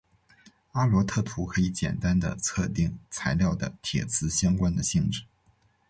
阿罗特图可以简单地测定材料的铁磁相关的性质。